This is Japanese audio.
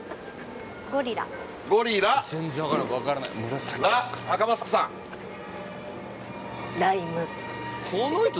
ゴリラ「ら」赤マスクさんライム？